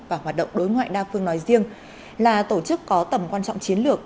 và hoạt động đối ngoại đa phương nói riêng là tổ chức có tầm quan trọng chiến lược